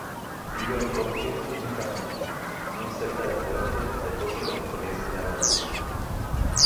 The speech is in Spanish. Vive en bosques, únicamente muy cerca de fuentes, depósitos o corrientes de agua dulce.